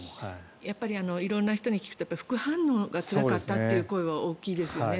やっぱり色んな人に聞くと副反応がつらかったという声は大きいですよね。